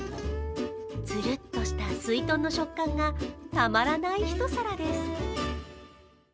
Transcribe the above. ツルッとしたすいとんの食感がたまらない一皿です。